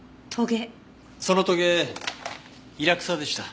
そのとげイラクサでした。